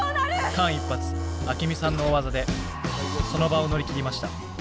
間一髪アケミさんの大技でその場を乗り切りました。